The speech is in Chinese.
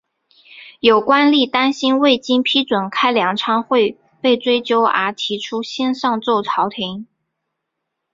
有官吏担心未经批准开粮仓会被追究而提出先上奏朝廷。